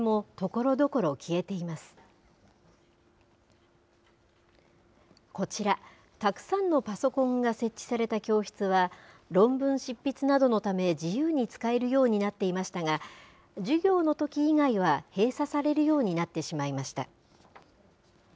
こちら、たくさんのパソコンが設置された教室は、論文執筆などのため、自由に使えるようになっていましたが、授業のとき以外は閉鎖されるようになってしまいました。